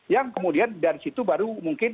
yang kemudian dari situ baru mungkin